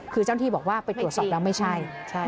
คือเจ้าหน้าที่บอกว่าไปตรวจสอบแล้วไม่ใช่